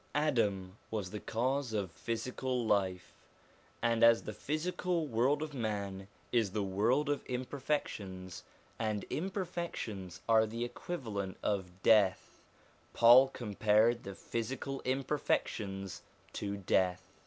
Adam was the cause of physical life, and as the physical world of man is the world of imperfections, and imperfections are the equivalent of death, Paul compared the physical imperfections to death.